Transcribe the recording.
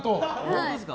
本当ですか？